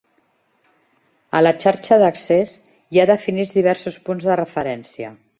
A la xarxa d'accés hi ha definits diversos punts de referència.